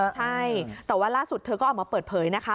ใช่แต่ว่าล่าสุดเธอก็ออกมาเปิดเผยนะคะ